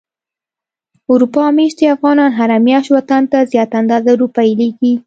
اروپا ميشتي افغانان هره مياشت وطن ته زياته اندازه روپی ليږي.